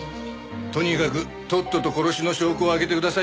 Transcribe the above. とにかくとっとと殺しの証拠を挙げてくださいよ。